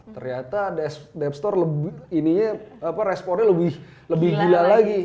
ternyata devstore responnya lebih gila lagi